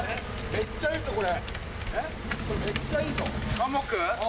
めっちゃいいぞこれ。